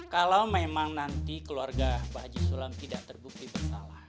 kalau memang nanti keluarga pak haji sulam tidak terbukti bersalah